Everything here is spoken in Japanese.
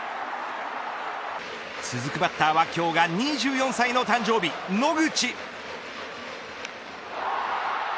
続くバッターは今日が２４歳の誕生日、野口。